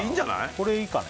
これいいかな？